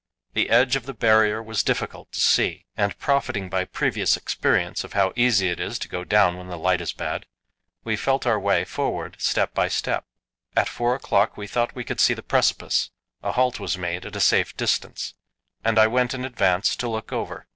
"The edge of the Barrier was difficult to see, and, profiting by previous experience of how easy it is to go down when the light is bad, we felt our way forward step by step. At four o'clock we thought we could see the precipice. A halt was made at a safe distance, and I went in advance to look over.